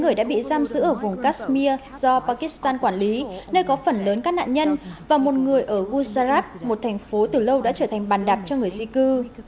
một người đã bị giam giữ ở vùng kashmir do pakistan quản lý nơi có phần lớn các nạn nhân và một người ở gusaras một thành phố từ lâu đã trở thành bàn đạp cho người di cư